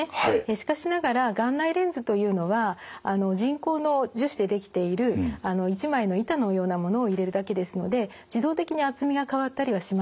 しかしながら眼内レンズというのは人工の樹脂で出来ている一枚の板のようなものを入れるだけですので自動的に厚みが変わったりはしません。